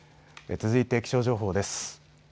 続いて気象情報です。